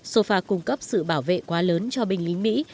sofa cung cấp sự bảo vệ quá lớn cho binh lính mỹ